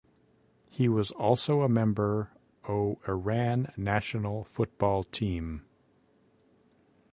He was also a member o Iran national football team.